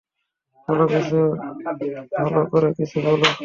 ভালো করে কিছু বলো।